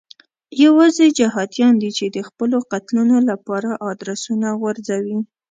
یوازې جهادیان دي چې د خپلو قتلونو لپاره ادرسونه غورځوي.